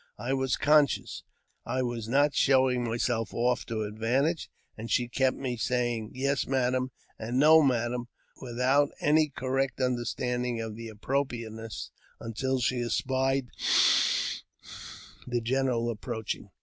I w conscious I was not showing myself off to advantage, and she kept me saying *' Yes, madam " and No, madam," without any correct understanding of the appropriateness, until she espied the general approaching.